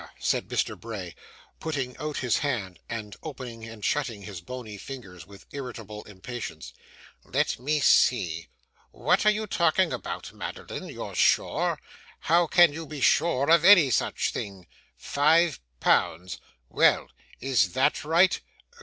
said Mr. Bray, putting out his hand, and opening and shutting his bony fingers with irritable impatience. 'Let me see. What are you talking about, Madeline? You're sure? How can you be sure of any such thing? Five pounds well, is THAT right?